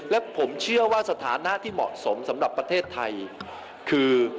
และผมเชื่อว่าสถานะที่เหมาะสมสำหรับประเทศไทยคือ